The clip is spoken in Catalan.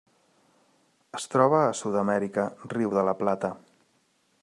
Es troba a Sud-amèrica: riu de la Plata.